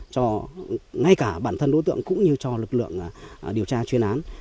cho ngay cả bản thân đối tượng cũng như cho lực lượng điều tra chuyên án